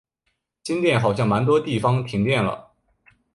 新店好像蛮多地方停电了